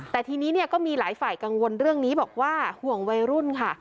แต่ทีนี้เนี่ยก็มีหลายฝ่ายกังวลเรื่องนี้บอกว่าห่วงวัยรุ่นค่ะ